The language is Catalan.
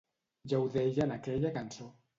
Ja ho deia en aquella cançó.